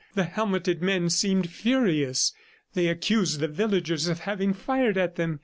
The helmeted men seemed furious; they accused the villagers of having fired at them.